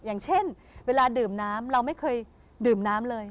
อย่างเช่นเวลาดื่มน้ำเราไม่เคยดื่มน้ำเลย